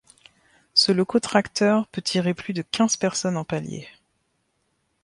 Ce locotracteur peut tirer plus de quinze personnes en palier.